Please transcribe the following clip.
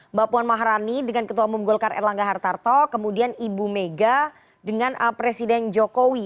mbak puan maharani dengan ketua umum golkar erlangga hartarto kemudian ibu mega dengan presiden jokowi